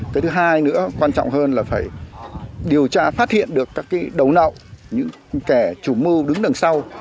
cái thứ hai nữa quan trọng hơn là phải điều tra phát hiện được các cái đầu nậu những kẻ chủ mưu đứng đằng sau